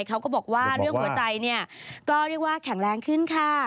เขาก็บอกว่าเรื่องหัวใจเนี่ยก็เรียกว่าแข็งแรงขึ้นค่ะ